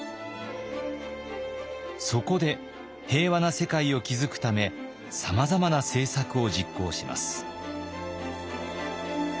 そこで平和な世界を築くためさまざまな政策を実行します。